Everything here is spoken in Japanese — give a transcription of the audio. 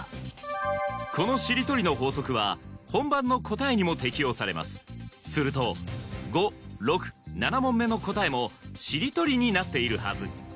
このしりとりの法則は本番の答えにも適用されますすると５・６・７問目の答えもしりとりになっているはず